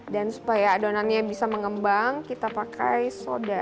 dan supaya adonannya bisa mengembang kita pakai soda